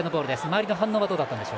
周りの反応はどうでしたか。